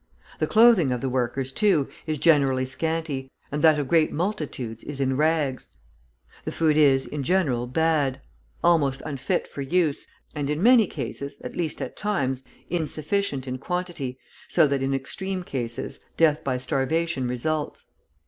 The clothing of the workers, too, is generally scanty, and that of great multitudes is in rags. The food is, in general, bad; often almost unfit for use, and in many cases, at least at times, insufficient in quantity, so that, in extreme cases, death by starvation results.